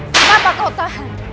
kenapa kau tahan